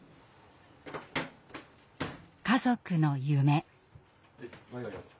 家族の夢。